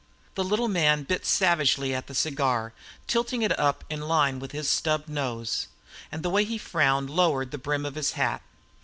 The little man bit savagely at the cigar, tilting it up in line with his stub nose; and the way he frowned lowered the brim of his hat.